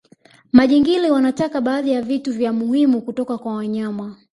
majingili wanataka baadhi ya vitu vya muhimu kutoka kwa wanyama